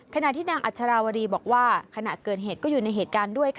ขณะที่นางอัชราวรีบอกว่าขณะเกิดเหตุก็อยู่ในเหตุการณ์ด้วย